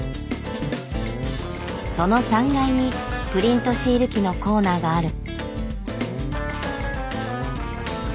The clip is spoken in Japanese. その３階にプリントシール機のコーナーがある。